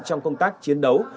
trong công tác chiến đấu